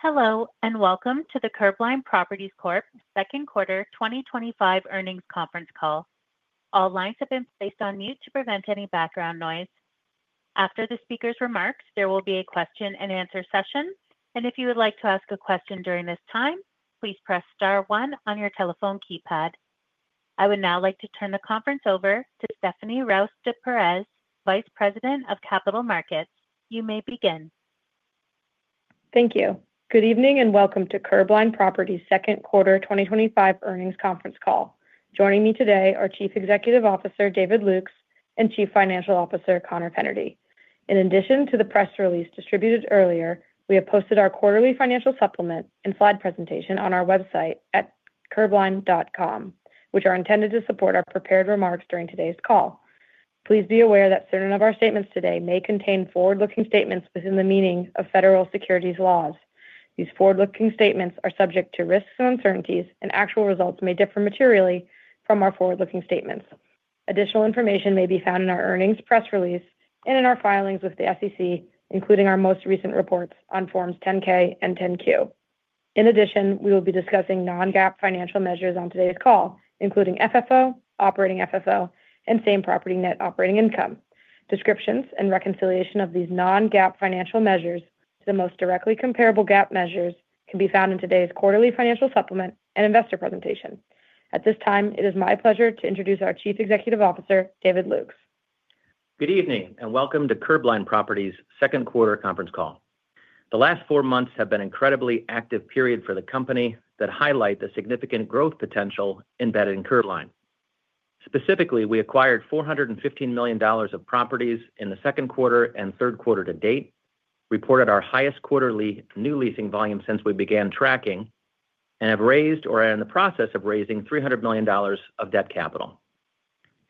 Hello and welcome to the Curbline Properties Corp. second quarter 2025 earnings conference call. All lines have been placed on mute to prevent any background noise. After the speaker's remarks, there will be a question-and-answer session, and if you would like to ask a question during this time, please press star 1 on your telephone keypad. I would now like to turn the conference over to Stephanie Ruys de Perez, Vice President of Capital Markets. You may begin. Thank you. Good evening and welcome to Curbline Properties second quarter 2025 earnings conference call. Joining me today are Chief Executive Officer David Lukes and Chief Financial Officer Connor Kennedy. In addition to the press release distributed earlier, we have posted our quarterly financial supplement and slide presentation on our website at curbline.com, which are intended to support our prepared remarks during today's call. Please be aware that certain of our statements today may contain forward-looking statements within the meaning of federal securities laws. These forward-looking statements are subject to risks and uncertainties, and actual results may differ materially from our forward-looking statements. Additional information may be found in our earnings press release and in our filings with the SEC, including our most recent reports on Forms 10-K and 10-Q. In addition, we will be discussing non-GAAP financial measures on today's call, including FFO, Operating FFO, and same property Net Operating Income. Descriptions and reconciliation of these non-GAAP financial measures to the most directly comparable GAAP measures can be found in today's quarterly financial supplement and investor presentation. At this time, it is my pleasure to introduce our Chief Executive Officer, David Lukes. Good evening and welcome to Curbline Properties Corp. second quarter conference call. The last four months have been an incredibly active period for the company that highlight the significant growth potential embedded in Curbline. Specifically, we acquired $415 million of properties in the second quarter and third quarter to date, reported our highest quarterly new leasing volume since we began tracking, and have raised or are in the process of raising $300 million of debt capital.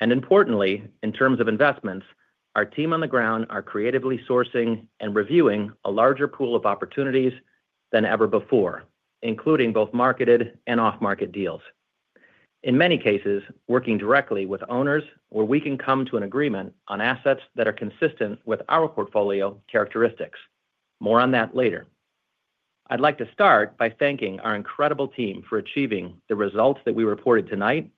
Importantly, in terms of investments, our team on the ground are creatively sourcing and reviewing a larger pool of opportunities than ever before, including both marketed and off-market deals, in many cases working directly with owners where we can come to an agreement on assets that are consistent with our portfolio characteristics. More on that later. I'd like to start by thanking our incredible team for achieving the results that we reported tonight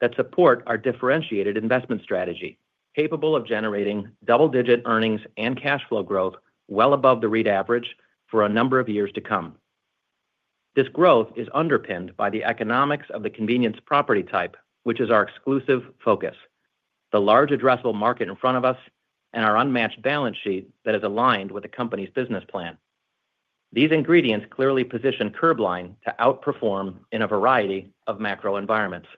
that support our differentiated investment strategy capable of generating double-digit earnings and cash flow growth well above the REIT average for a number of years to come. This growth is underpinned by the economics of the convenience property type, which is our exclusive focus, the large addressable market in front of us, and our unmatched balance sheet that is aligned with the company's business plan. These ingredients clearly position Curbline to outperform in a variety of macro environments.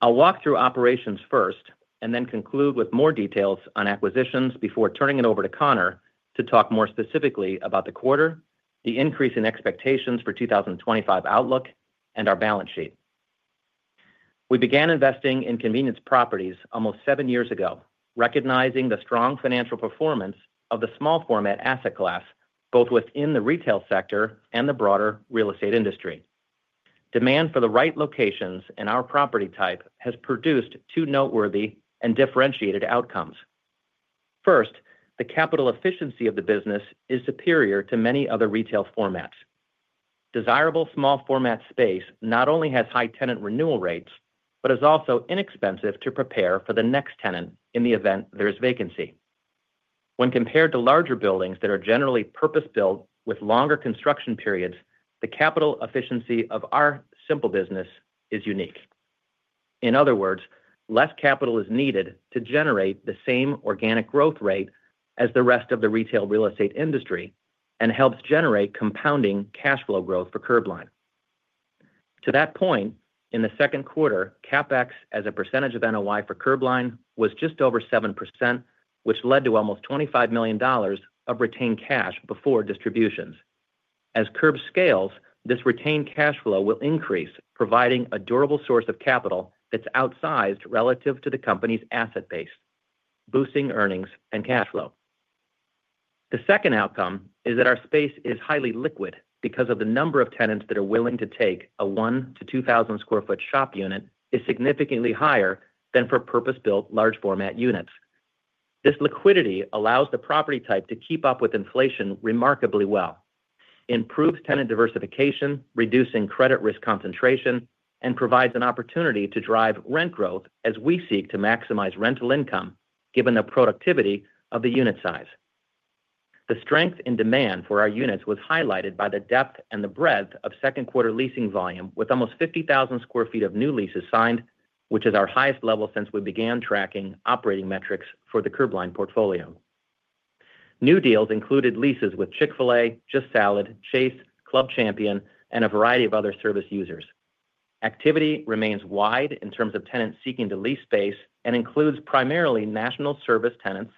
I'll walk through operations first and then conclude with more details on acquisitions before turning it over to Connor Kennedy to talk more specifically about the quarter, the increase in expectations for 2025 outlook, and our balance sheet. We began investing in convenience properties almost seven years ago, recognizing the strong financial performance of the small format asset class both within the retail sector and the broader real estate industry. Demand for the right locations in our property type has produced two noteworthy and differentiated outcomes. First, the capital efficiency of the business is superior to many other retail formats. Desirable small format space not only has high tenant renewal rates, but is also inexpensive to prepare for the next tenant in the event there is vacancy. When compared to larger buildings that are generally purpose built with longer construction periods, the capital efficiency of our simple business is unique. In other words, less capital is needed to generate the same organic growth rate as the rest of the retail real estate industry and helps generate compounding cash flow growth for Curbline. To that point in the second quarter, CapEx as a percentage of NOI for Curbline was just over 7%, which led to almost $25 million of retained cash before distributions. As CURB scales, this retained cash flow will increase, providing a durable source of capital that's outsized relative to the company's asset base, boosting earnings and cash flow. The second outcome is that our space is highly liquid because the number of tenants that are willing to take a 1,000 sq ft-2,000 sq ft shop unit is significantly higher than for purpose-built large format units. This liquidity allows the property type to keep up with inflation remarkably well, improves tenant diversification, reduces credit risk concentration, and provides an opportunity to drive rent growth as we seek to maximize rental income given the productivity of the unit size. The strength in demand for our units was highlighted by the depth and breadth of second quarter leasing volume, with almost 50,000 sq ft of new leases signed, which is our highest level since we began tracking operating metrics for the Curbline portfolio. New deals included leases with Chick-fil-A, Just Salad, Chase, Club Champion, and a variety of other service users. Activity remains wide in terms of tenants seeking to lease space and includes primarily national service tenants,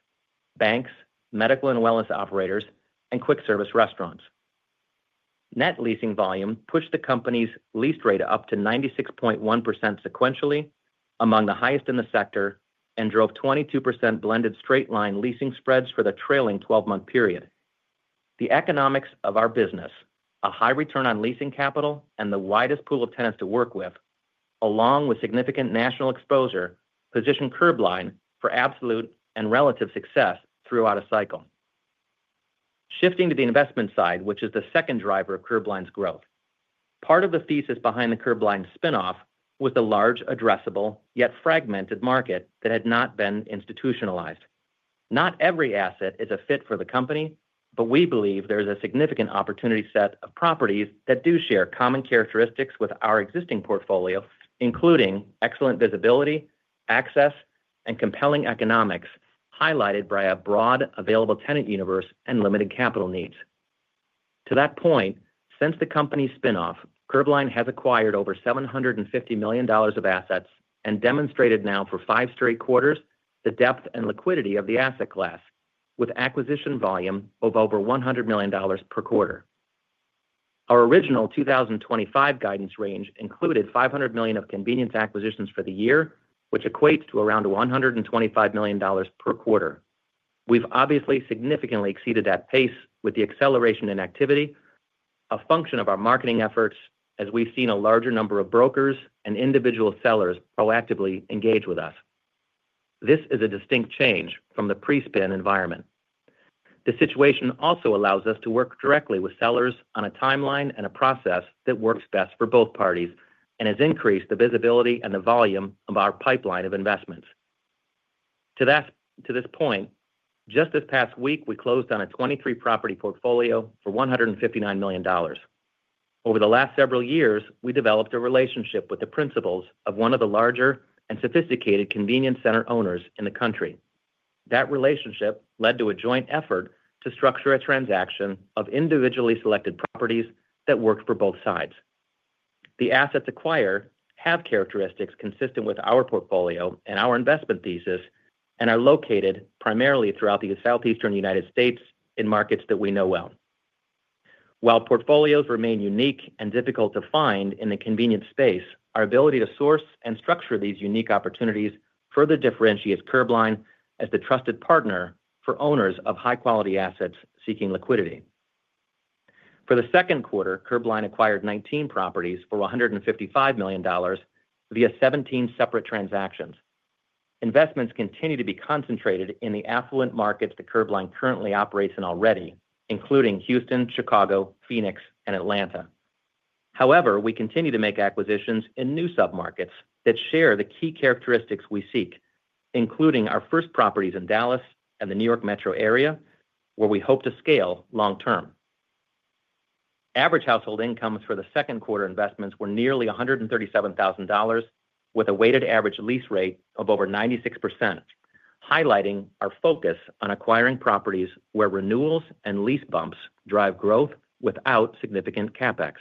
banks, medical and wellness operators, and quick service restaurants. Net leasing volume pushed the company's lease rate up to 96.1% sequentially, among the highest in the sector, and drove 22% blended straight line leasing spreads for the trailing 12 month period. The economics of our business, a high return on leasing capital and the widest pool of tenants to work with, along with significant national exposure, position Curbline for absolute and relative success throughout a cycle. Shifting to the investment side, which is the second driver of Curbline's growth, part of the thesis behind the Curbline spinoff was the large, addressable, yet fragmented market that had not been institutionalized. Not every asset is a fit for the company, but we believe there is a significant opportunity set of properties that do share common characteristics with our existing portfolio, including excellent visibility, access, and compelling economics highlighted by a broad available tenant universe and limited capital needs. To that point, since the company spinoff, Curbline has acquired over $750 million of assets and demonstrated now for five straight quarters the depth and liquidity of the asset class with acquisition volume of over $100 million per quarter. Our original 2025 guidance range included $500 million of convenience acquisitions for the year, which equates to around $125 million per quarter. We've obviously significantly exceeded that pace with the acceleration in activity a function of our marketing efforts, as we've seen a larger number of brokers and individual sellers proactively engage with us. This is a distinct change from the pre-spin environment. The situation also allows us to work directly with sellers on a timeline and a process that works best for both parties and has increased the visibility and the volume of our pipeline of investments to this point. Just this past week, we closed on a 23-property portfolio for $159 million. Over the last several years, we developed a relationship with the principals of one of the larger and sophisticated convenience center owners in the country. That relationship led to a joint effort to structure a transaction of individually selected properties that worked for both sides. The assets acquired have characteristics consistent with our portfolio and our investment thesis and are located primarily throughout the southeastern United States in markets that we know well. While portfolios remain unique and difficult to find in the convenience space, our ability to source and structure these unique opportunities further differentiates Curbline as the trusted partner for owners of high-quality assets seeking liquidity. For the second quarter, Curbline acquired 19 properties for $155 million via 17 separate transactions. Investments continue to be concentrated in the affluent markets that Curbline currently operates in already, including Houston, Chicago, Phoenix, and Atlanta. However, we continue to make acquisitions in new submarkets that share the key characteristics we seek, including our first properties in Dallas and the New York Metro area where we hope to scale long-term. Average household incomes for the second quarter investments were nearly $137,000 with a weighted average lease rate of over 96%, highlighting our focus on acquiring properties where renewals and lease bumps drive growth without significant CapEx.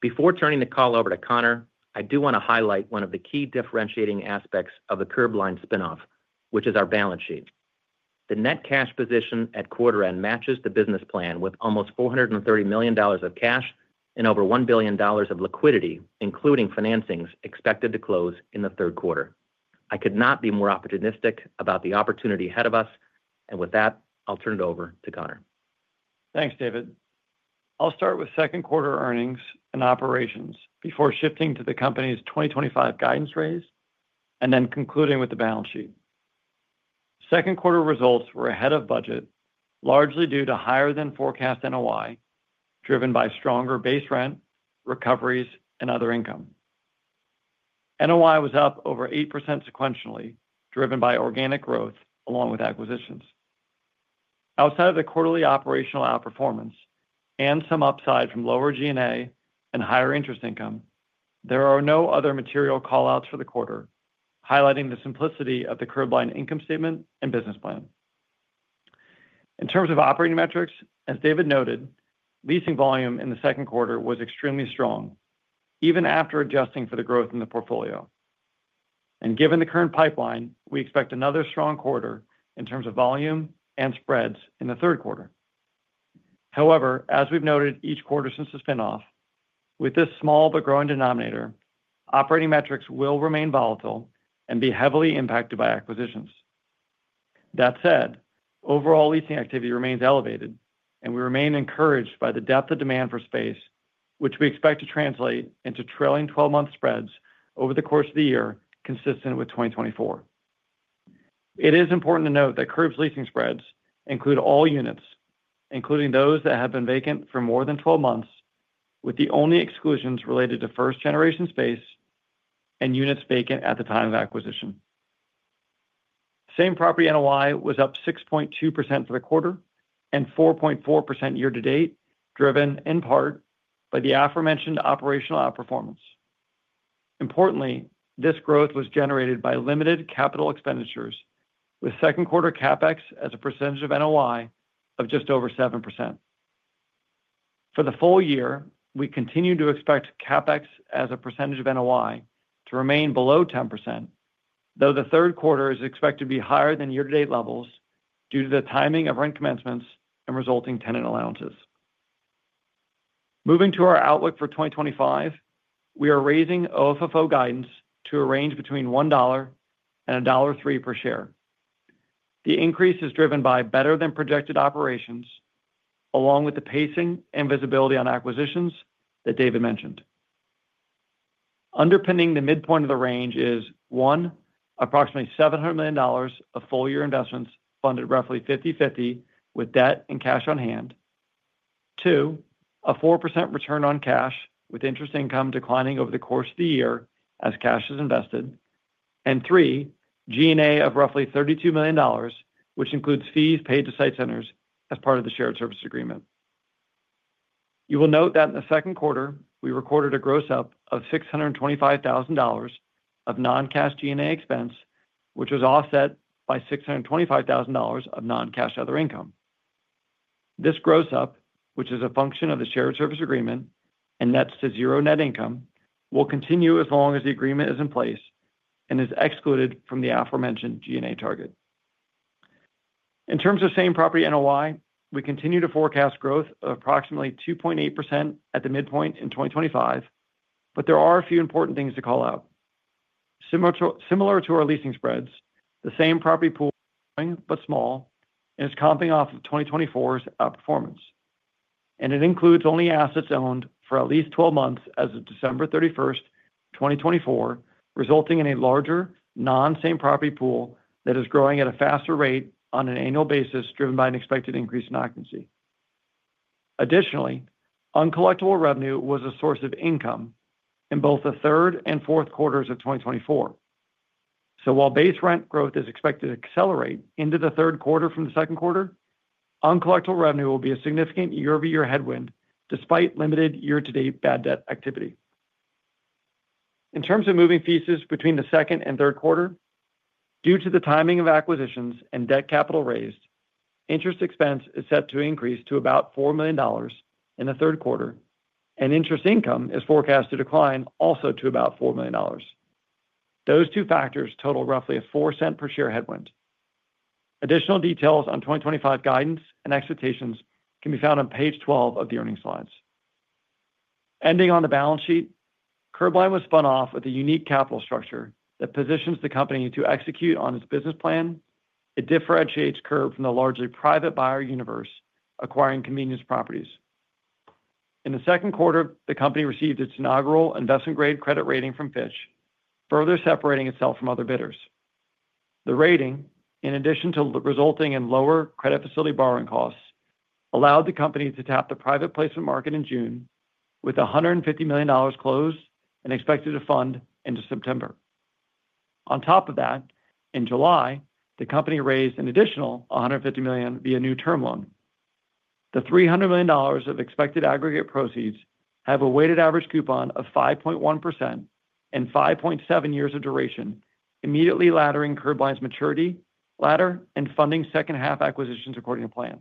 Before turning the call over to Connor, I do want to highlight one of the key differentiating aspects of the Curbline spinoff, which is our balance sheet. The net cash position at quarter end matches the business plan with almost $430 million of cash and over $1 billion of liquidity, including financings expected to close in the third quarter. I could not be more opportunistic about the opportunity ahead of us, and with that I'll turn it over to Connor. Thanks David. I'll start with second quarter earnings and operations before shifting to the company's 2025 guidance raise and then concluding with the balance sheet. Second quarter results were ahead of budget largely due to higher than forecast NOI driven by stronger base rent recoveries and other income. NOI was up over 8% sequentially, driven by organic growth along with acquisitions. Outside of the quarterly operational outperformance and some upside from lower G&A and higher interest income, there are no other material call outs for the quarter, highlighting the simplicity of the Curbline income statement and business plan. In terms of operating metrics, as David noted, leasing volume in the second quarter was extremely strong even after adjusting for the growth in the portfolio, and given the current pipeline, we expect another strong quarter in terms of volume and spreads in the third quarter. However, as we've noted each quarter since the spinoff, with this small but growing denominator, operating metrics will remain volatile and be heavily impacted by acquisitions. That said, overall leasing activity remains elevated and we remain encouraged by the depth of demand for space, which we expect to translate into trailing twelve month spreads over the course of the year consistent with 2024. It is important to note that CURB leasing spreads include all units, including those that have been vacant for more than 12 months, with the only exclusions related to first generation space and units vacant at the time of acquisition. Same property NOI was up 6.2% for the quarter and 4.4% year-to-date, driven in part by the aforementioned operational outperformance. Importantly, this growth was generated by limited capital expenditures, with second quarter CapEx as a percentage of NOI of just over 7% for the full year. We continue to expect CapEx as a percentage of NOI to remain below 10%, though the third quarter is expected to be higher than year to date levels due to the timing of rent commencements and resulting tenant allowances. Moving to our outlook for 2025, we are raising Operating FFO guidance to a range between $1 and $1.03 per share. The increase is driven by better than projected operations along with the pacing and visibility on acquisitions that David mentioned. Underpinning the midpoint of the range is one, approximately $700 million of full year investments funded roughly 50/50 with debt and cash on hand. Two, a 4% return on cash with interest income declining over the course of the year as cash is invested, and three, G&A of roughly $32 million, which includes fees paid to Site Centers as part of the shared services agreement. You will note that in the second quarter we recorded a gross up of $625,000 of non-cash G&A expense, which was offset by $625,000 of non-cash other income. This gross up, which is a function of the shared services agreement and nets to zero net income, will continue as long as the agreement is in place and is excluded from the aforementioned G&A target. In terms of same property NOI, we continue to forecast growth of approximately 2.8% at the midpoint in 2025, but there are a few important things to call out. Similar to our leasing spreads, the same property pool, but small, is comping off of 2024's outperformance and it includes only assets owned for at least 12 months as of December 31, 2024, resulting in a larger non-same property pool that is growing at a faster rate on an annual basis driven by an expected increase in occupancy. Additionally, uncollectible revenue was a source of income in both the third and fourth quarters of 2024. While base rent growth is expected to accelerate into the third quarter from the second quarter, uncollectible revenue will be a significant year-over-year headwind despite limited year-to-date bad debt activity. In terms of moving fees between the second and third quarter due to the timing of acquisitions and debt capital raised, interest expense is set to increase to about $4 million in the third quarter and interest income is forecast to decline also to about $4 million. Those two factors total roughly a $0.04 per share headwind. Additional details on 2025 guidance and expectations can be found on page 12 of the earnings slides. Ending on the balance sheet, Curbline was spun off with a unique capital structure that positions the company to execute on its business plan. It differentiates CURB from the largely private buyer universe acquiring convenience shopping centers. In the second quarter, the company received its inaugural investment grade rating from Fitch, further separating itself from other bidders. The rating, in addition to resulting in lower credit facility borrowing costs, allowed the company to tap the private placement market in June with $150 million closed and expected to fund into September. On top of that, in July the company raised an additional $150 million via new term loan. The $300 million of expected aggregate proceeds have a weighted average coupon of 5.1% and 5.7 years of duration, immediately laddering Curbline's maturity ladder and funding second half acquisitions according to plan.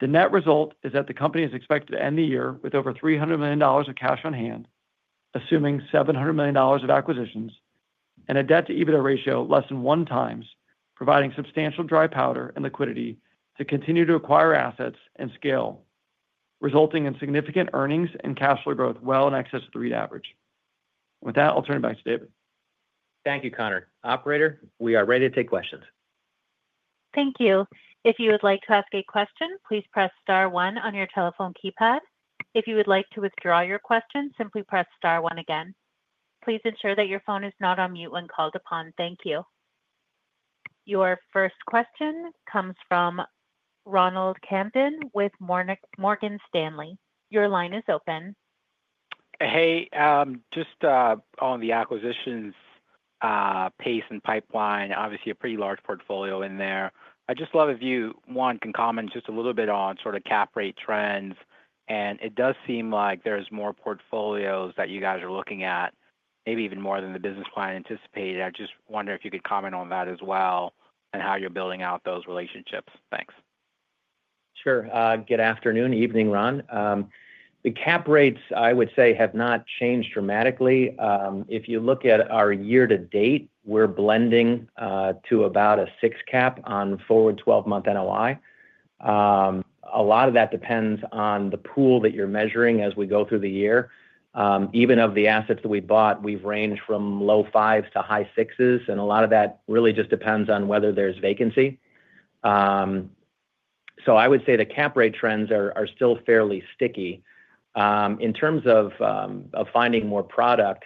The net result is that the company is expected to end the year with over $300 million of cash on hand, assuming $700 million of acquisitions and a debt to EBITDA ratio less than 1x, providing substantial dry powder and liquidity to continue to acquire assets and scale, resulting in significant earnings and cash flow growth well in excess of the REIT average. With that, I'll turn it back to David. Thank you, Connor. Operator, we are ready to take questions. Thank you. If you would like to ask a question, please press star one on your telephone keypad. If you would like to withdraw your question, simply press star one again. Please ensure that your phone is not on mute when called upon. Thank you. Your first question comes from Ronald Kamdem with Morgan Stanley. Your line is open. Hey, just on the acquisitions pace and pipeline, obviously a pretty large portfolio in there. I'd just love, if you want, can comment just a little bit on sort of cap rate trends. It does seem like there's more portfolios that you guys are looking at, maybe even more than the business plan anticipated. I just wonder if you could comment on that as well and how you're building out those relationships. Thanks. Sure. Good afternoon. Evening Ron. The cap rates I would say have not changed dramatically. If you look at our year to date, we're blending to about a 6% cap on forward 12-month NOI. A lot of that depends on the pool that you're measuring as we go through the year. Even of the assets that we bought we've ranged from low 5% to high 6%. A lot of that really just depends on whether there's vacancy. I would say the cap rate trends are still fairly sticky in terms of finding more product.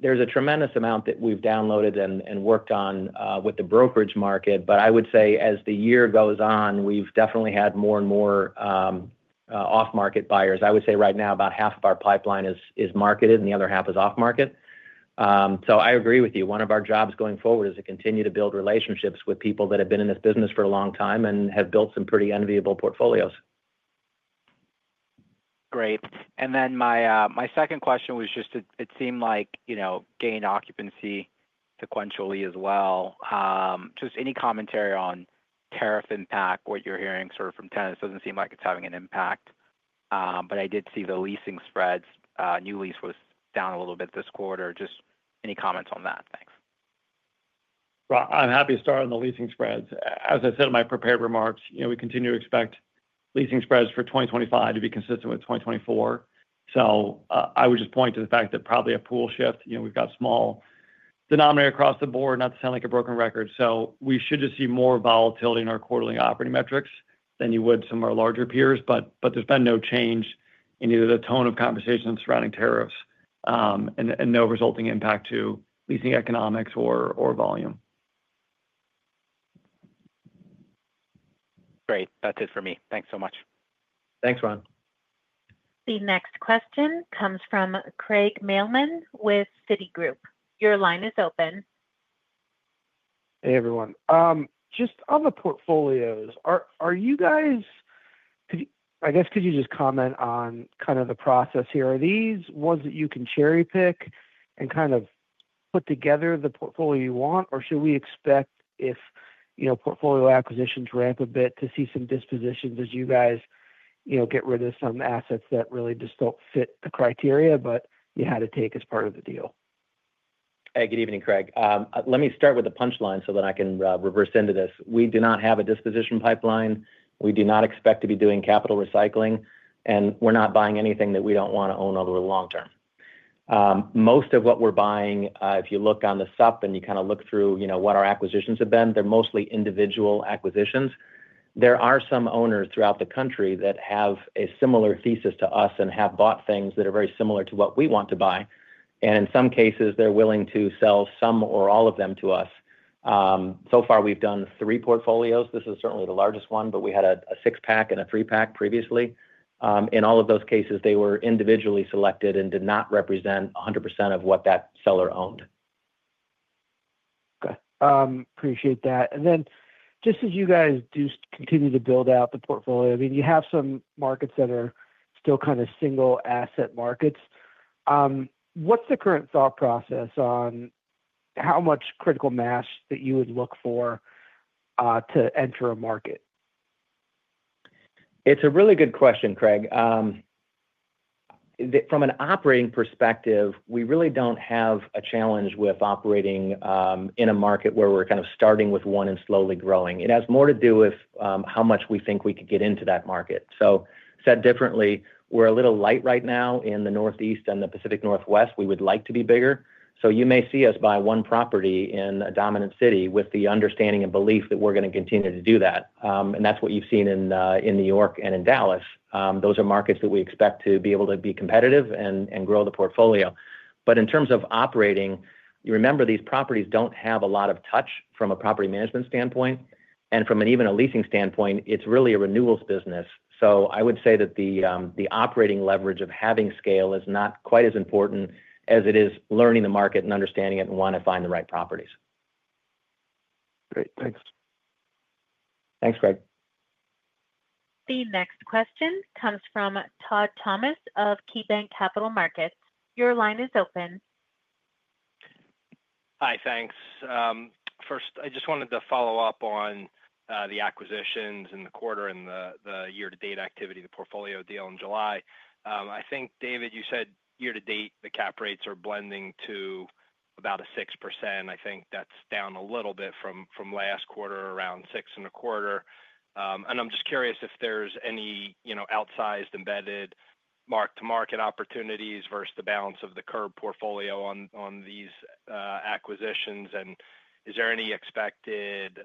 There's a tremendous amount that we've downloaded and worked on with the brokerage market. I would say as the year goes on, we've definitely had more and more off market buyers. Right now about half of our pipeline is marketed and the other half is off market. I agree with you. One of our jobs going forward is to continue to build relationships with people that have been in this business for a long time and have built some pretty enviable portfolios. Great. My second question was just it seemed like gain occupancy sequentially as well. Just any commentary on tariff impact, what you're hearing sort of from tenants? Doesn't seem like it's having an impact, but I did see the leasing spreads. New lease was down a little bit this quarter. Just any comments on that? Thanks. I'm happy to start on the leasing spreads. As I said in my prepared remarks, we continue to expect leasing spreads for 2025 to be consistent with 2024. I would just point to the fact that probably a pool shift, we've got small denominator across the board. Not to sound like a broken record, we should just see more volatility in our quarterly operating metrics than you would some of our larger peers. There's been no change in either the tone of conversation surrounding tariffs and no resulting impact to leasing economics or volume. Great. That's it for me. Thanks so much. Thanks, Ron. The next question comes from Craig Mailman with Citi Group. Your line is open. Hey, everyone. On the portfolios, could you just comment on kind of the process here? Are these ones that you can cherry pick and kind of put together the portfolio you want, or should we expect if portfolio acquisitions ramp a bit to see some dispositions as you guys, get rid of some assets that really just don't fit the criteria but you had to take as part of the deal. Good evening, Craig. Let me start with the punchline so that I can reverse into this. We do not have a disposition pipeline. We do not expect to be doing capital recycling. We're not buying anything that we don't want to own over the long-term. Most of what we're buying, if you look on the sup and you kind of look through what our acquisitions have been, they're mostly individual acquisitions. There are some owners throughout the country that have a similar thesis to us and have bought things that are very similar to what we want to buy. In some cases, they're willing to sell some or all of them to us. So far, we've done three portfolios. This is certainly the largest one, but we had a six pack and a three pack previously. In all of those cases, they were individually selected and did not represent 100% of what that seller owned. Okay, appreciate that. As you guys do continue to build out the portfolio, you have some market center still kind of single asset markets? What's the current thought process on how much critical mass that you would look to enter a market? It's a really good question, Craig. From an operating perspective, we really don't have a challenge with operating in a market where we're kind of starting with one and slowly growing. It has more to do with how much we think we could get into that market. Said differently, we're a little light right now in the Northeast and the Pacific Northwest. We would like to be bigger. You may see us buy one property in a dominant city with the understanding and belief that we're going to continue to do that. That's what you've seen in New York and in Dallas. Those are markets that we expect to be able to be competitive and grow the portfolio. In terms of operating, you remember, these properties don't have a lot of touch from a property management standpoint and from even a leasing standpoint, it's really a renewals business. I would say that the operating leverage of having scale is not quite as important as it is learning the market and understanding it and wanting to find the right properties. Great, thanks. Thanks, Craig. The next question comes from Todd Thomas of KeyBanc Capital Markets. Your line is open. Hi. Thanks. First, I just wanted to follow up on the acquisitions in the quarter and the year to date activity. The portfolio deal in July, I think. David, you said year-to-date. The cap rates are blending to about a 6%. I think that's down a little bit from last quarter, around 6.25%. I'm just curious if there's any outsized embedded mark to market opportunities versus the balance of the CURB portfolio on these acquisitions. Is there any expected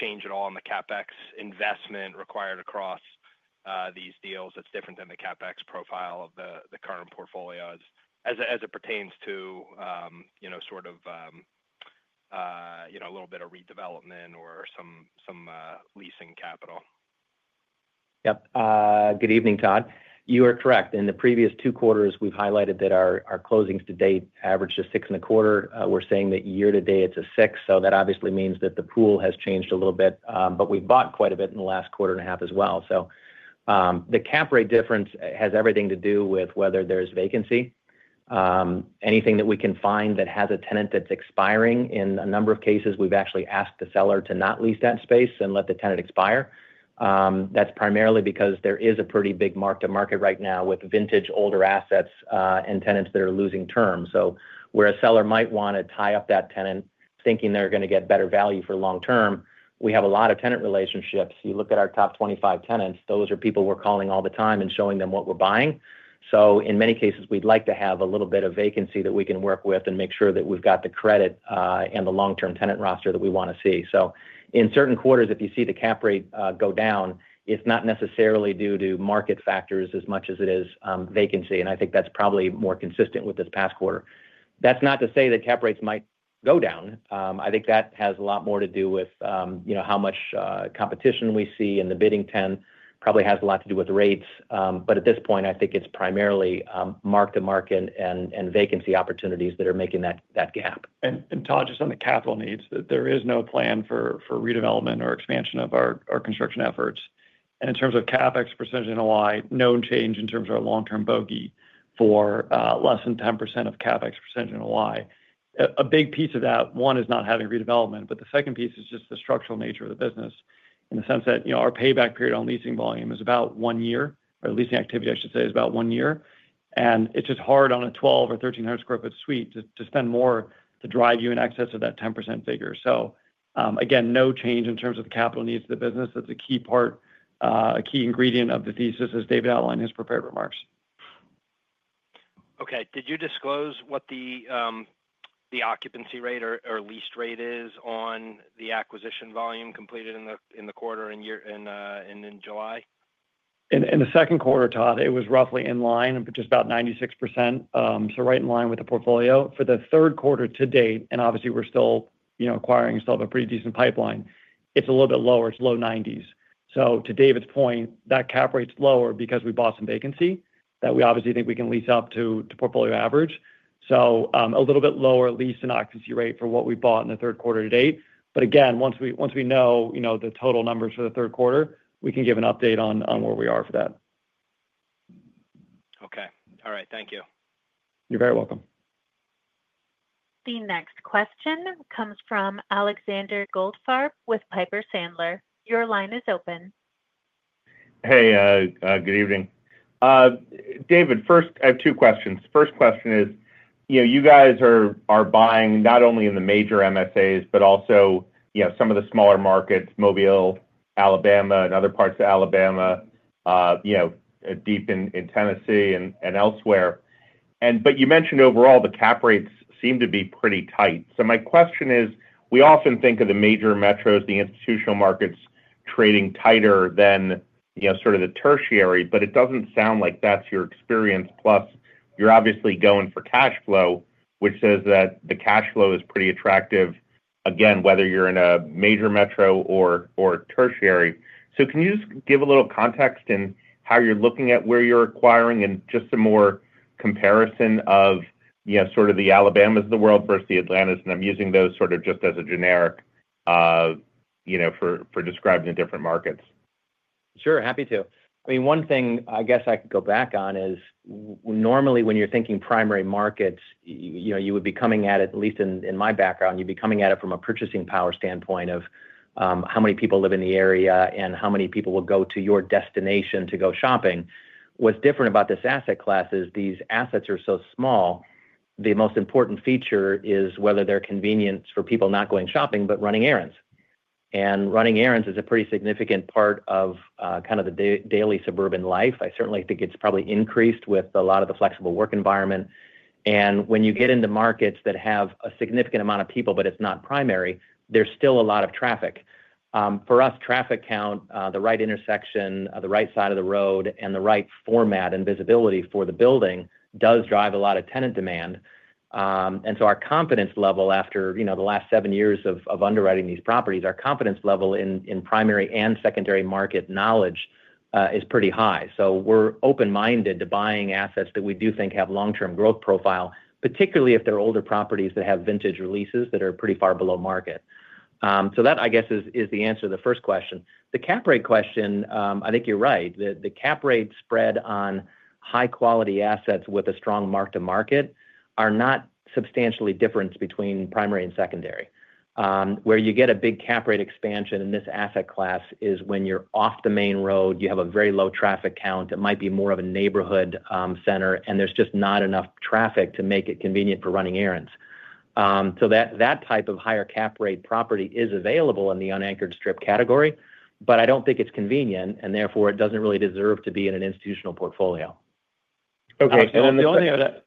change at all in the CapEx investment required across these deals that's different than the CapEx profile of the current portfolio as it pertains to sort of a little bit of redevelopment or some leasing capital? Yep. Good evening, Todd. You are correct. In the previous two quarters, we've highlighted that our closings to date average to 6.25%. We're saying that year to date it's a 6%. That obviously means that the pool has changed a little bit. We bought quite a bit in the last quarter and a half as well. The acquisition cap rate difference has everything to do with whether there's vacancy, anything that we can find that has a tenant that's expiring. In a number of cases, we've actually asked the seller to not lease that space and let the tenant expire. That's primarily because there is a pretty big mark to market right now with vintage older assets and tenants that are losing term. Where a seller might want to tie up that tenant thinking they're going to get better value for long-term, we have a lot of tenant relationships. You look at our top 25 tenants, those are people we're calling all the time and showing them what we're buying. In many cases we'd like to have a little bit of vacancy that we can work with and make sure that we've got the credit and the long term tenant roster that we want to see. In certain quarters, if you see the acquisition cap rate go down, it's not necessarily due to market factors as much as it is vacancy. I think that's probably more consistent with this past quarter. That's not to say that acquisition cap rates might go down. I think that has a lot more to do with how much competition we see in the bidding. 10% probably has a lot to do with rates, but at this point I think it's primarily mark to market and vacancy opportunities that are making that gap. Todd, just on the capital needs, there is no plan for redevelopment or expansion of our construction efforts. In terms of CapEx percentage, NOI, no change in terms of our long-term bogey for less than 10% of CapEx percentage. A big piece of that one is not having redevelopment. The second piece is just the structural nature of the business in the sense that our payback period on leasing volume is about one year, or leasing activity, I should say, is about one year. It's just hard on a 1,200 sq ft or 1,300 sq ft suite to spend more to drive you in excess of that 10% figure. No change in terms of the capital needs of the business. That's a key part, a key ingredient of the thesis as David outlined in his prepared remarks. Okay, did you disclose what the occupancy rate or lease rate is on the acquisition volume completed in the quarter in July? In the second quarter, Todd, it was roughly in line, just about 96%. Right in line with the portfolio for the third quarter to date. Obviously we're still acquiring, still have a pretty decent pipeline. It's a little bit lower, it's [low 90s percent]. To David's point, that cap rate is lower because we bought some vacancy that we obviously think we can lease up to portfolio average, so a little bit lower lease in occupancy rate for what we bought in the third quarter to date. Again, once we know the total numbers for the third quarter, we can give an update on where we are for that. Okay. All right, thank you. You're very welcome. The next question comes from Alexander Goldfarb with Piper Sandler. Your line is open. Hey, good evening, David. First, I have two questions. First question is you guys are buying not only in the major MSAs, but also some of the smaller markets, Mobile, Alabama and other parts of Alabama, deep in Tennessee and elsewhere. You mentioned overall the cap rates seem to be pretty tight. My question is we often think of the major metros, the institutional markets trading tighter than sort of the tertiary. It doesn't sound like that's your experience. Plus you're obviously going for cash flow, which says that the cash flow is pretty attractive again whether you're in a major metro or tertiary. Can you just give a little context and how you're looking at where you're acquiring and just some more comparison of the Alabamas of the world versus the Atlantas. I'm using those just as a generic for describing the different markets. Sure. Happy to. One thing I guess I could go back on is normally when you're thinking primary markets, you would be coming at it, at least in my background, you'd be coming at it from a purchasing power standpoint of how many people live in the area and how many people will go to your destination to go shopping. What's different about this asset class is these assets are so small, the most important feature is whether they're convenient for people not going shopping. Running errands is a pretty significant part of kind of the daily suburban life. I certainly think it's probably increased with a lot of the flexible work environment. When you get into markets that have a significant amount of people, but it's not primary, there's still a lot of traffic for us, traffic count, the right intersection, the right side of the road, and the right format and visibility for the building does drive a lot of tenant demand. Our confidence level after the last seven years of underwriting these properties, our confidence level in primary and secondary market knowledge is pretty high. We're open minded to buying assets that we do think have long-term growth profile, particularly if they're older properties that have vintage releases that are pretty far below market. That I guess is the answer to the first question. The cap rate question. I think you're right. The cap rate spread on high quality assets with a strong mark to market are not substantially different between primary and secondary. Where you get a big cap rate expansion in this asset class is when you're off the main road, you have a very low traffic count. It might be more of a neighborhood center and there's just not enough traffic to make it convenient for running errands. That type of higher cap rate property is available in the unanchored strip category. I don't think it's convenient and therefore it doesn't really deserve to be in an institutional portfolio. Okay. The only thing I would add,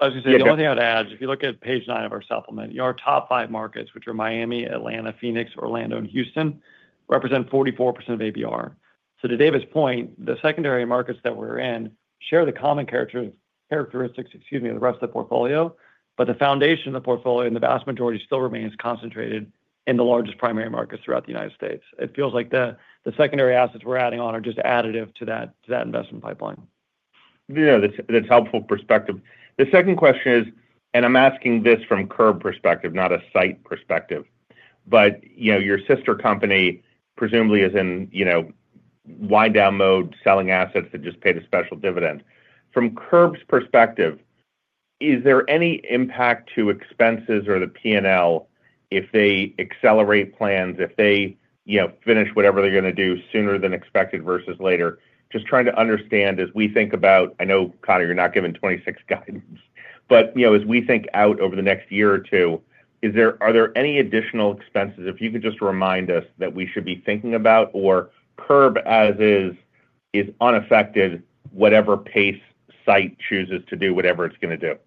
if you look at page nine of our supplement, our top five markets, which are Miami, Atlanta, Phoenix, Orlando, and Houston, represent 44% of ABR. To David's point, the secondary markets that we're in share the common characteristics of the rest of the portfolio. The foundation of the portfolio and the vast majority still remains concentrated in the largest primary markets throughout the United States. It feels like the secondary assets we're adding on are just additive to that investment pipeline. That's helpful perspective. The second question is, and I'm asking this from CURB's perspective, not a Site Centers perspective, but your sister company presumably is in wind down mode selling assets that just paid a special dividend. From CURB's perspective, is there any impact to expenses or the P&L if they accelerate plans, if they finish whatever they're going to do sooner than expected versus later? Just trying to understand as we think about. I know Connor, you're not giving 2026 guidance, but as we think out over the next year or two, are there any additional expenses? If you could just remind us that we should be thinking about or CURB as is is unaffected. Whatever pace Site Centers chooses to do, whatever it's going to do.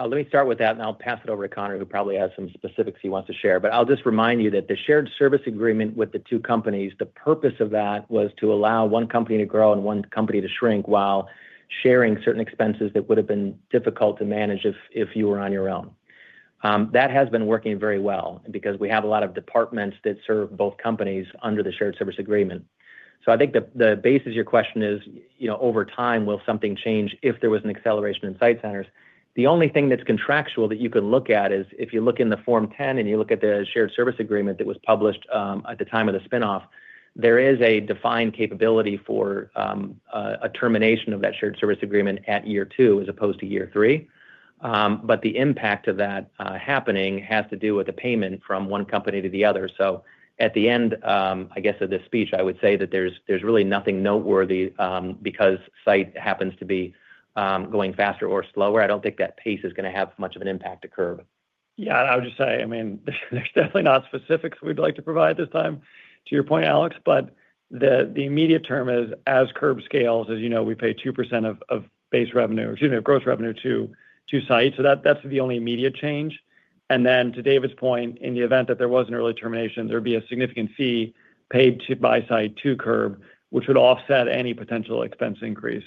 Let me start with that and I'll pass it over to Connor who probably has some specifics he wants to share. I'll just remind you that the shared services agreement with the two companies, the purpose of that was to allow one company to grow and one company to shrink while sharing certain expenses that would have been difficult to manage if you were on your own. That has been working very well because we have a lot of departments that serve both companies under the shared services agreement. I think the basis of your question is, you know, over time will something change if there was an acceleration in Site Centers? The only thing that's contractual that you can look at is if you look in the Form 10 and you look at the shared services agreement that was published at the time of the spinoff. There is a defined capability for a termination of that shared services agreement at year two as opposed to year three. The impact of that happening has to do with the payment from one company to the other. At the end, I guess, of this speech, I would say that there's really nothing noteworthy because Site Centers happens to be going faster or slower. I don't think that pace is going to have much of an impact to CURB. Yeah, I would just say, I mean, there's definitely not specifics we'd like to provide at this time to your point, Alex, but the immediate term is as CURB scales. As you know, we pay 2% of gross revenue to Site Centers. That's the only immediate change. To David's point, in the event that there was an early termination, there'd be a significant fee paid by Site Centers to CURB, which would offset any potential expense increase.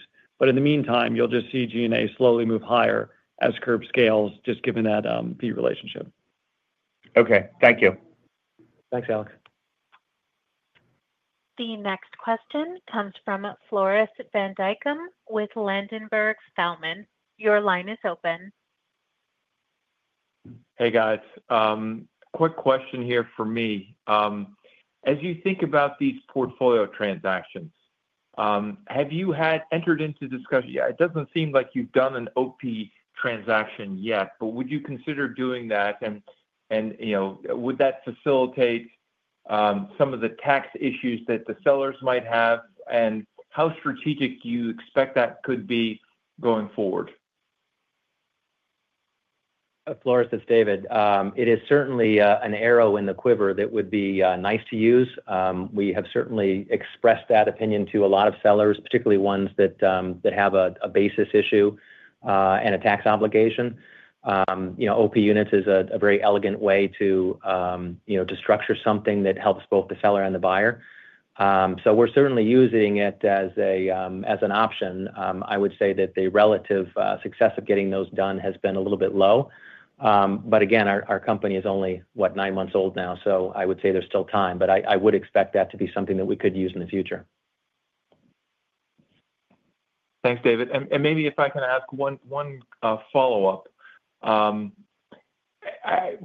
In the meantime, you'll just see G&A slowly move higher as CURB scales, just given that fee relationship. Okay, thank you. Thanks, Alex. The next question comes from Floris Van Dijkum with Ladenburg Thalmann. Your line is open. Hey guys, quick question here for me. As you think about these portfolio transactions, have you had entered into discussion? It doesn't seem like you've done an OP transaction yet, but would you consider doing that? Would that facilitate some of the tax issues that the sellers might have? How strategic do you expect that could be going forward? Floris, it's David. It is certainly an arrow in the quiver that would be nice to use. We have certainly expressed that opinion to a lot of sellers, particularly ones that have a basis issue and a tax obligation. OP units is a very elegant way to structure something that helps both the seller and the buyer. We're certainly using it as an option. I would say that the relative success of getting those done has been a little bit low. Our company is only, what, nine months old now? I would say there's still time, but I would expect that to be something that we could use in the future. Thanks, David. Maybe if I can ask one follow up. I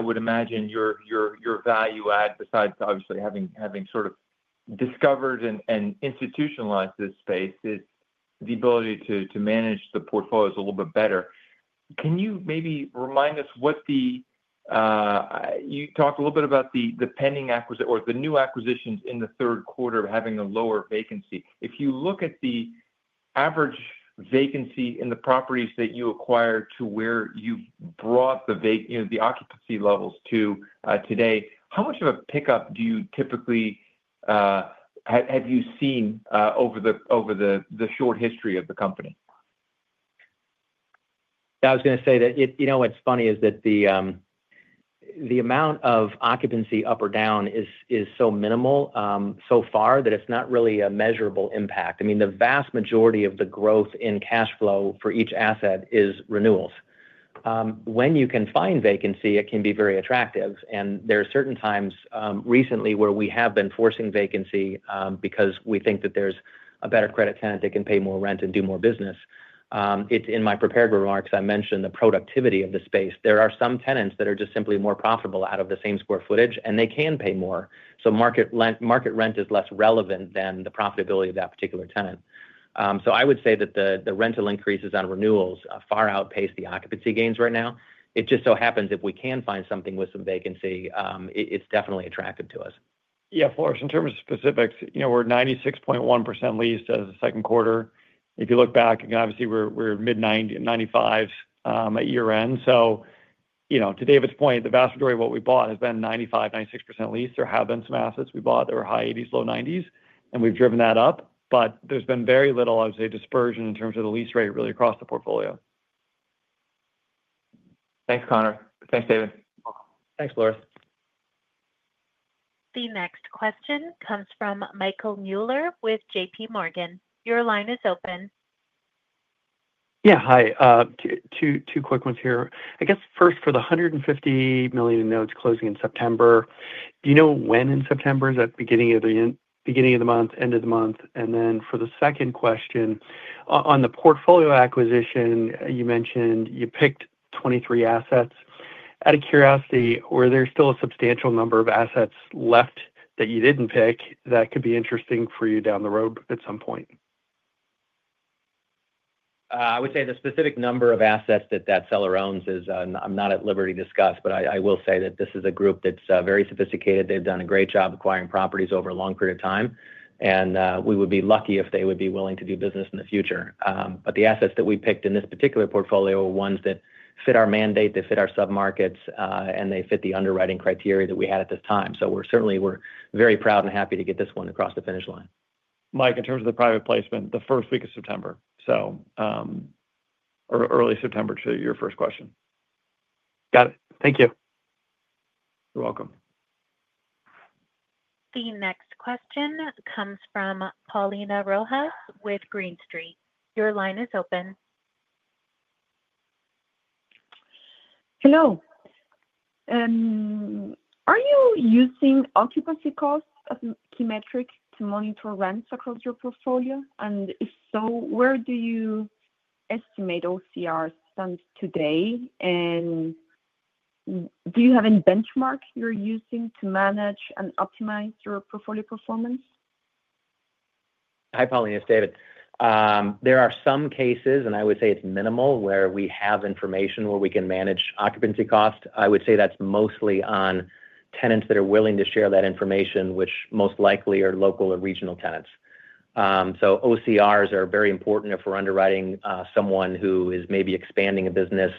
would imagine your value add, besides obviously having sort of discovered and institutionalized this space, is the ability to manage the portfolios a little bit better. Can you maybe remind us what the, you talked a little bit about the pending acquisition or the new acquisitions in the third quarter having a lower vacancy. If you look at the average vacancy in the properties that you acquire to where you brought the [occupancy levels] today, how much of a pickup do you typically have you seen over the short history of the company? I was going to say that what's funny is that the amount of occupancy up or down is so minimal so far that it's not really a measurable impact. I mean, the vast majority of the growth in cash flow for each asset is renewals. When you can find vacancy, it can be very attractive. There are certain times recently where we have been forcing vacancy because we think that there's a better credit tenant that can pay more rent and do more business. In my prepared remarks, I mentioned the productivity of the space. There are some tenants that are just simply more profitable out of the same square footage and they can pay more. Market rent is less relevant than the profitability of that particular tenant. I would say that the rental increases on renewals far outpace the occupancy gains right now. It just so happens if we can find something with some vacancy, it's definitely attractive to us. Yeah, Floris, in terms of specifics, we're 96.1% leased as of the second quarter. If you look back, obviously we're mid 95% at year end. To David's point, the vast majority of what we bought has been 95%, 96% leased. There have been some assets we bought that were [high 80s percent, low 90s percent], and we've driven that up. There has been very little, I would say, dispersion in terms of the lease rate, really, across the portfolio. Thanks, Connor. Thanks, David. Thanks, Floris. The next question comes from Michael Mueller with JPMorgan. Your line is open. Yeah, hi. Two quick ones here, I guess. First, for the $150 million notes closing in September, do you know when in September is that? Beginning of the month, end of the month? For the second question on the portfolio acquisition, you mentioned you picked 23 assets. Out of curiosity, were there still a substantial number of assets left that you didn't pick that could be interesting for you down the road at some point? I would say the specific number of assets that that seller owns is, I'm not at liberty to discuss, but I will say that this is a group that's very sophisticated. They've done a great job acquiring properties over a long period of time, and we would be lucky if they would be willing to do business in the future. The assets that we picked in this particular portfolio are ones that fit our mandate, they fit our sub markets, and they fit the underwriting criteria that we had at this time. We're certainly very proud and happy to get this one across the finish line. Mike, in terms of the private placement, the first week of September, so early September, to your first question. Got it. Thank you. You're welcome. The next question comes from Paulina Rojas with Green Street. Your line is open. Hello. Are you using occupancy cost key metric to monitor rents across your portfolio? If so, where do you estimate OCR to today? Do you have any benchmark you're using to manage and optimize your portfolio performance? Hi, Paulina, it's David. There are some cases, and I would say it's minimal, where we have information where we can manage occupancy cost. I would say that's mostly on tenants that are willing to share that information, which most likely are local or regional tenants. So OCRs are very important. If we're underwriting someone who is maybe expanding a business,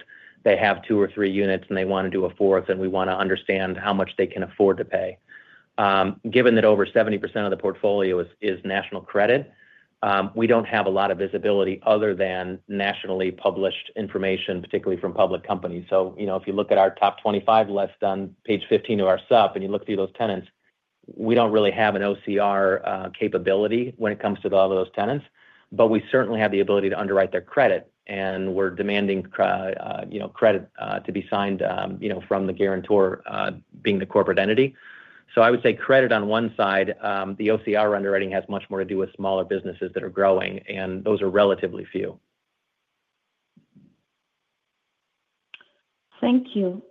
they have two or three units and they want to do a fourth, we want to understand how much they can afford to pay. Given that over 70% of the portfolio is national credit, we don't have a lot of visibility other than nationally published information, particularly from public companies. If you look at our top 25 list on page 15 of our supp, and you look through those tenants, we don't really have an OCR capability when it comes to all of those tenants, but we certainly have the ability to underwrite their credit. We're demanding credit to be signed from the guarantor being the corporate entity. I would say credit on one side, the OCR underwriting has much more to do with smaller businesses that are growing, and those are relatively few. Thank you.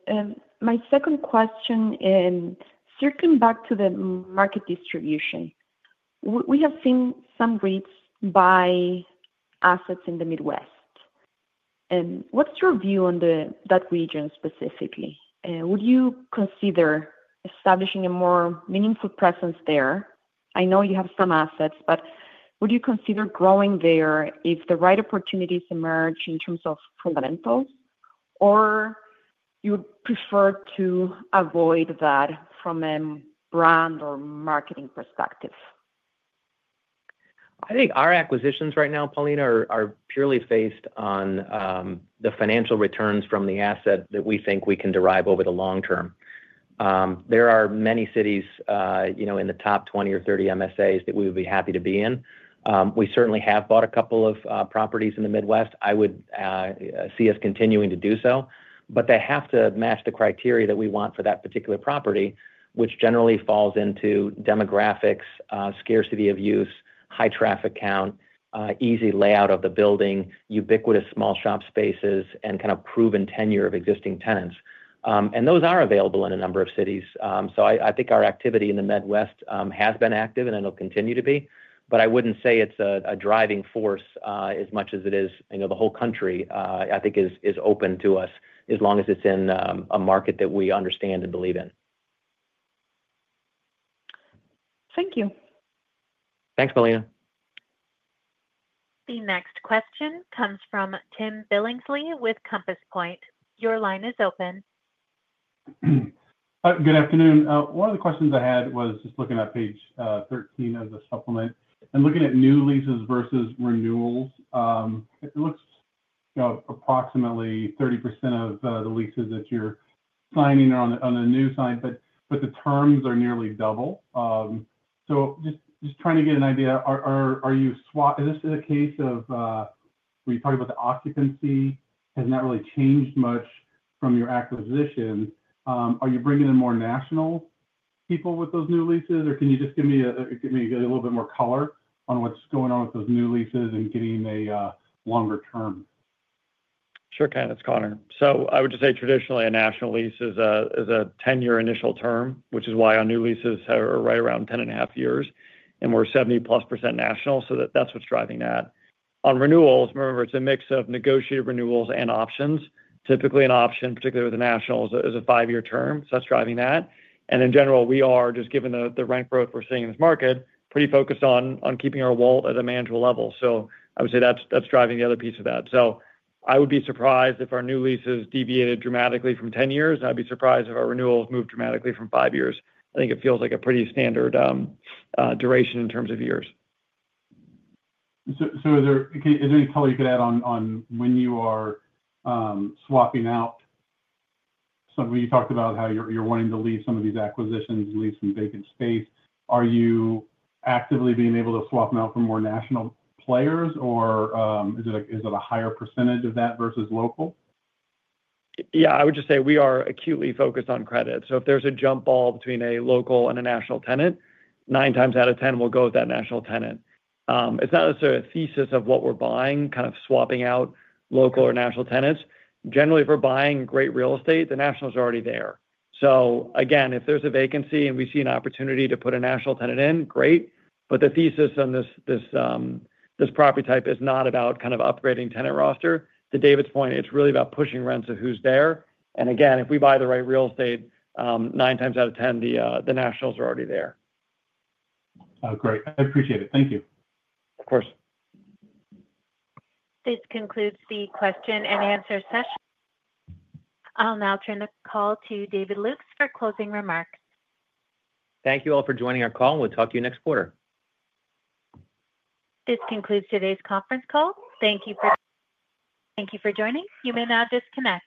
My second question, circling back to the market distribution, we have seen some REITs buy assets in the Midwest. What's your view on that region specifically? Would you consider establishing a more meaningful presence there? I know you have some assets, but would you consider growing there if the right opportunities emerge in terms of fundamentals, or you would prefer to avoid that from a brand or marketing perspective? I think our acquisitions right now, Paulina, are purely based on the financial returns from the asset that we think we can derive over the long-term. There are many cities, you know, in the top 20 or 30 MSAs that we would be happy to be in. We certainly have bought a couple of properties in the Midwest. I would see us continuing to do so, but they have to match the criteria that we want for that particular property, which generally falls into demographics, scarcity of use, high traffic count, easy layout of the building, ubiquitous small shop spaces, and kind of proven tenure of existing tenants. Those are available in a number of cities. I think our activity in the Midwest has been active and it'll continue to be. I wouldn't say it's a driving force as much as it is the whole country, I think, is open to us as long as it's in a market that we understand and believe in. Thank you. Thanks, Paulina. The next question comes from Tim Billingsley with Compass Point. Your line is open. Good afternoon. One of the questions I had was just looking at page 13 of the supplement and looking at new leases versus renewals. It looks approximately 30% of the leases that you're signing are on a new site, but the terms are nearly double. Just trying to get an idea. Is this a case of we talk about the occupancy has not really changed much from your acquisition. Are you bringing in more national people with those new leases, can you just give me a little bit more color on what's going on with those new leases and getting a longer-term. Sure Tim, it's Connor. I would just say traditionally a national lease is a 10-year initial term, which is why our new leases are right around 10.5 years and we're 70%+ national. That's what's driving that. On renewals, remember, it's a mix of negotiated renewals and options. Typically an option, particularly with the nationals, is a five-year term. That's driving that. In general, we are just, given the rent growth we're seeing in this market, pretty focused on keeping our wall at a manageable level. I would say that's driving the other piece of that. I would be surprised if our new leases deviated dramatically from 10 years. I'd be surprised if our renewals move dramatically from five years. I think it feels like a pretty standard duration in terms of years. Is there any color you could add on when you are swapping out? You talked about how you're wanting to leave some of these acquisitions, leave some vacant space. Are you actively being able to swap them out for more national players or is it a higher percentage of that versus local? Yeah, I would just say we are acutely focused on credit. If there's a jump ball between a local and a national tenant, 9/10 times we'll go with that national tenant. It's not necessarily a thesis of what we're buying, kind of swapping out local or national tenants. Generally, if we're buying great real estate, the national is already there. If there's a vacancy and we see an opportunity to put a national tenant in, great. The thesis on this property type is not about upgrading tenant roster to David's point. It's really about pushing rents of who's there. If we buy the right real estate, 9/10 times, the nationals are already there. Great. I appreciate it. Thank you. Of course. This concludes the question-and-answer session. I'll now turn the call to David Lukes for closing remarks. Thank you all for joining our call, and we'll talk to you next quarter. This concludes today's conference call. Thank you for joining. You may now disconnect.